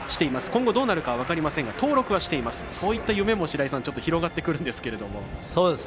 今後、どうなるかは分かりませんが登録をしているので夢が広がってくるんですけど。